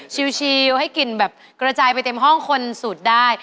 ชิวให้กลิ่นแบบกระจายไปเต็มห้องคนสูตรได้